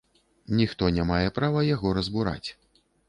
Ніхто не мае права яго разбураць.